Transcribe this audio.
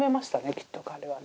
きっと彼はね。